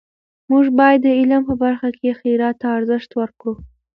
موږ باید د علم په برخه کې خیرات ته ارزښت ورکړو.